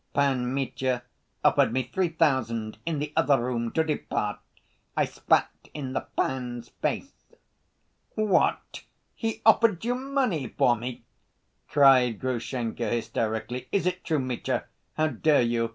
Pan Mitya offered me three thousand, in the other room to depart. I spat in the pan's face." "What? He offered you money for me?" cried Grushenka, hysterically. "Is it true, Mitya? How dare you?